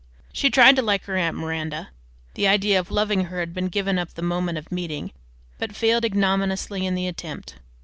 She tried to like her aunt Miranda (the idea of loving her had been given up at the moment of meeting), but failed ignominiously in the attempt.